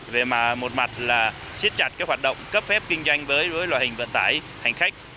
về mà một mặt là siết chặt cái hoạt động cấp phép kinh doanh với loại hình vận tải hành khách